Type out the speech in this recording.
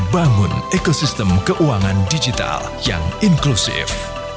bangun ekosistem keuangan digital yang inklusif